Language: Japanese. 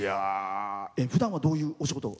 ふだんは、どういうお仕事？